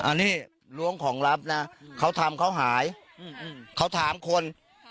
อันนี้ล้วงของลับนะเขาทำเขาหายเขาถามคน